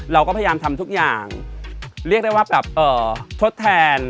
เราก็พยายามทำทุกอย่างเรียกได้ว่าชดแทน